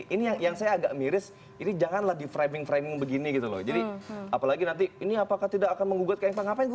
ini yang saya agak miris ini jangan lagi framing framing begini gitu loh jadi apalagi nanti ini apakah tidak akan mengugut kmpn